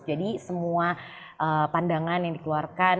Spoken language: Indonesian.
jadi semua pandangan yang dikeluarkan